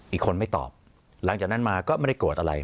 อีกคนไม่ตอบหลังจากนั้นมาก็ไม่ได้โกรธอะไร